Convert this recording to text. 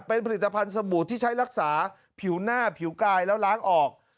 เป็นผลิตภัณฑ์สบู่ที่ใช้รักษาผิวหน้าผิวกายแล้วล้างออก